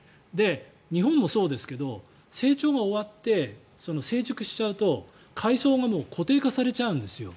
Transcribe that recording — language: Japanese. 日本もそうですけど成長が終わって成熟しちゃうと、階層が固定化されちゃうんですよ。